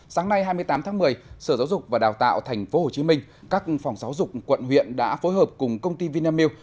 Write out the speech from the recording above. sáng nay hai mươi tám tháng một mươi sở giáo dục và đào tạo tp hcm các phòng giáo dục quận huyện đã phối hợp cùng công ty vinamilk